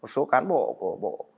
số cán bộ của bộ